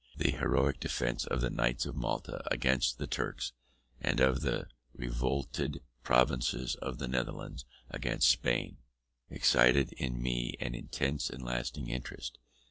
The heroic defence of the Knights of Malta against the Turks, and of the revolted Provinces of the Netherlands against Spain, excited in me an intense and lasting interest.